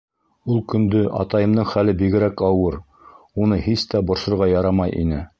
Ул көндө атайымдың хәле бигерәк ауыр, уны һис тә борсорға ярамай ине.